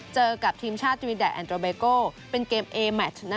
เจอกับทีมชาติตรีแดดแอนโดรเบโกเป็นเกมเอแมช